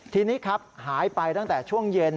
ทีนี้ครับหายไปตั้งแต่ช่วงเย็น